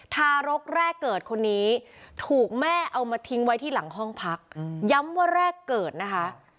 ทารกแรกเกิดคนนี้ถูกแม่เอามาทิ้งไว้ที่หลังห้องพักย้ำว่าแรกเกิดนะคะ